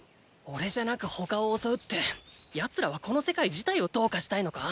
おれじゃなく他を襲うって奴らはこの世界自体をどうかしたいのか？